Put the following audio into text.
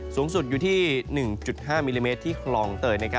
สูงสุดอยู่ที่๑๕มิลลิเมตรที่คลองเตย